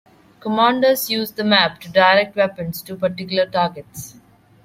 Commanders used the map to direct weapons to particular targets.